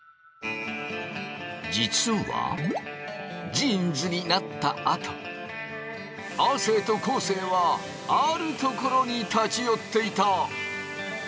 実はジーンズになったあと亜生と昴生はある所に立ち寄っていた！